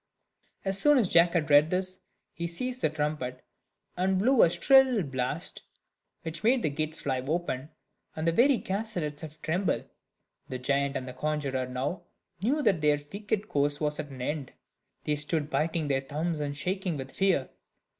As soon as Jack had read this, he seized the trumpet, and blew a shrill blast, which made the gates fly open, and the very castle itself tremble. The giant and the conjuror now knew that their wicked course was at an end, and they stood biting their thumbs and shaking with fear.